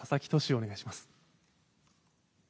お願いします。